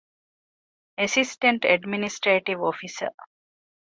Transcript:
އ.އެޑްމިނިސްޓްރޭޓިވް އޮފިސަރ